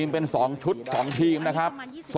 พ่อขออนุญาต